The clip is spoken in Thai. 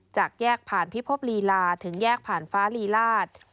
จากแยกผ่านพิภพลีลาถึงแยกผ่านฟ้าลีลาศ